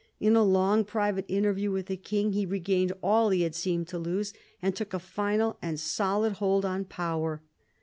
In a long private interview with the King he regained all he had seemed to lose, and took a final and solid hold on power.